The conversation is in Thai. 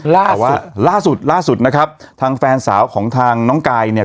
ล่าสุดล่าสุดนะครับทางแฟนสาวของทางน้องกายเนี่ย